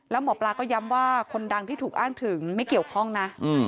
แล้วหมอปลาก็ย้ำว่าคนดังที่ถูกอ้างถึงไม่เกี่ยวข้องนะ